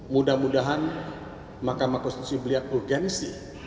mudah mudahan mahkamah konstitusi melihat urgensi